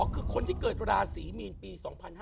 อ๋อคือคนที่เกิดราศรีมีนปี๒๕๓๐